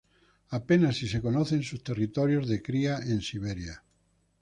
Apenas si se conocen sus territorios de cría en Siberia.